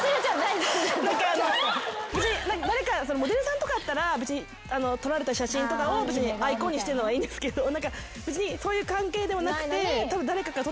モデルさんとかだったら撮られた写真とかをアイコンにしてるのはいいんですけど別にそういう関係でもなくてたぶん誰かから撮ってもらって。